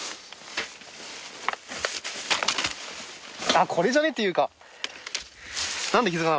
あっこれじゃね？っていうか。